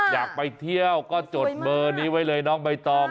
อยากไปเที่ยวก็จดเบอร์นี้ไว้เลยน้องใบตอง